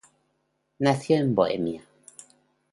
Nació en Bohemia.